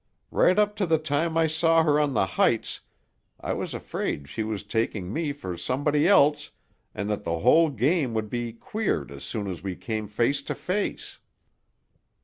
Right up to the time I saw her on the Heights I was afraid she was taking me for somebody else and that the whole game would be queered as soon as we came face to face."